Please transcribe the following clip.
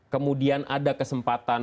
kemudian ada kesempatan